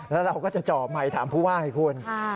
แล้วเราก็จะจ่อไมค์ถามผู้ว่าไงคุณ